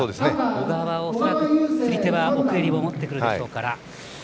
小川は恐らく釣り手は奥襟を持ってくるでしょうから。